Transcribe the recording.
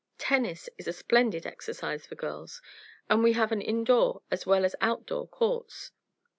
Tennis is a splendid exercise for girls, and we have an indoor as well as outdoor courts.